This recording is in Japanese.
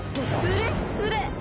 すれっすれ！